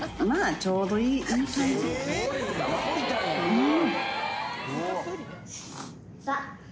うん！